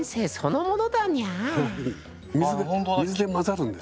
水で混ざるんですよ。